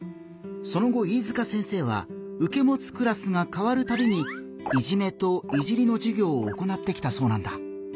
その後飯塚先生はうけもつクラスが変わるたびに「いじめ」と「いじり」のじゅぎょうを行ってきたそうなんだ。